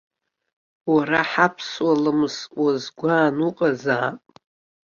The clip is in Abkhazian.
Уара ҳаԥсуа ламыс уазгәааны уҟазаап.